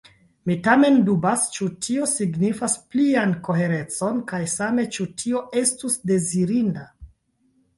Mi tamen dubas, ĉu tio signifas plian koherecon, kaj same, ĉu tio estus dezirinda.